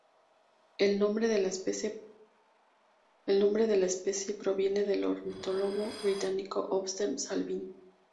El nombre de la especie proviene del ornitólogo británico Osbert Salvin.